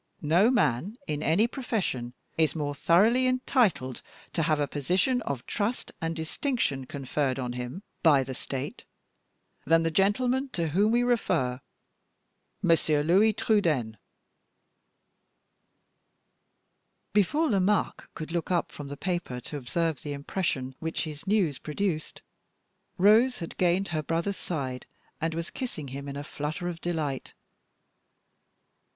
No man in any profession is more thoroughly entitled to have a position of trust and distinction conferred on him by the State than the gentleman to whom we refer M. Louis Trudaine." Before Lomaque could look up from the paper to observe the impression which his news produced, Rose had gained her brother's side and was kissing him in a flutter of delight.